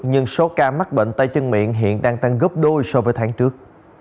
nhưng số ca mắc bệnh tay chân miệng hiện đang tăng gấp đôi so với tháng trước